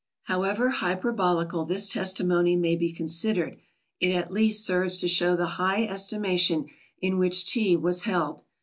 However hyperbolical this testimony may be considered, it at least serves to show the high estimation in which Tea was held.